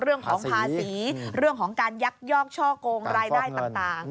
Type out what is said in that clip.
เรื่องของภาษีเรื่องของการยักยอกช่อกงรายได้ต่าง